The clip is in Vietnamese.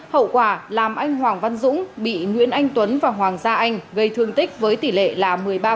hậu quả làm anh hoàng văn dũng bị nguyễn anh tuấn và hoàng gia anh gây thương tích với tỷ lệ là một mươi ba